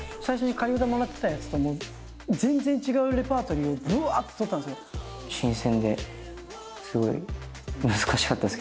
最初に仮歌でもらってたやつと、全然違うレパートリーをぶわーっと撮ったんですよ。